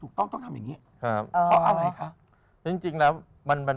ถูกต้องต้องทำอย่างนี้